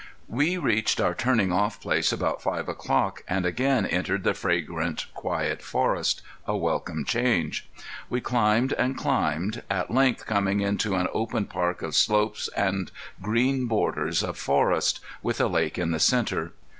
We reached our turning off place about five o'clock, and again entered the fragrant, quiet forest a welcome change. We climbed and climbed, at length coming into an open park of slopes and green borders of forest, with a lake in the center.